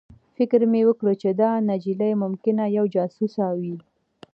فکر مې وکړ چې دا نجلۍ ممکنه یوه جاسوسه وي